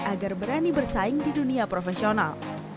agar berani bersaing di dunia profesional